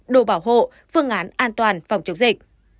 đồ bảo hộ phương án an toàn phòng chống dịch